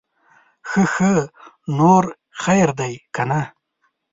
ښه ښه, نور خير دے که نه؟